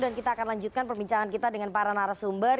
dan kita akan lanjutkan perbincangan kita dengan para narasumber